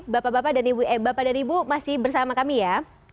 bapak dan ibu masih bersama kami ya